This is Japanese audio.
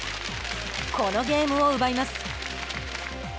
このゲームを奪います。